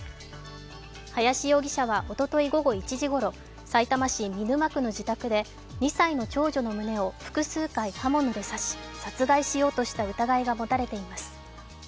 林容疑者は、おととい午後１時ごろ、さいたま市見沼区の自宅で、２歳の長女の胸を複数回、刃物で刺し殺害しようとした疑いが持たれています。